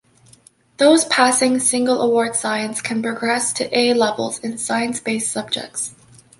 Those passing single award science can progress to A Levels in science-based subjects.